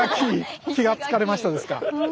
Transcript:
気が付かれましたですか。